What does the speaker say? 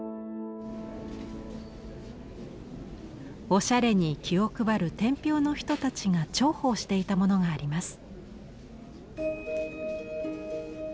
おしゃれに気を配る天平の人たちが重宝していたものがあります。